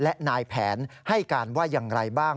และนายแผนให้การว่าอย่างไรบ้าง